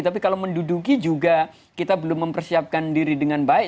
tapi kalau menduduki juga kita belum mempersiapkan diri dengan baik